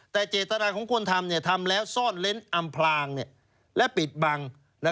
แต่เจตนาของคนทำทำแล้วซ่อนเล้นอำพลางและปิดบัง